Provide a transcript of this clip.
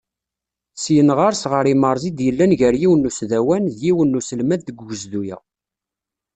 Syin ɣer-s ɣer yimerẓi i d-yellan gar yiwen n usdawan d yiwen n uselmad deg ugezdu-a.